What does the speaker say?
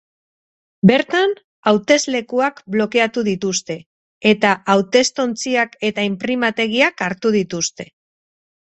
Bertan hauteslekuak blokeatu dituzte, eta hautestontziak eta inprimategiak hartu dituzte.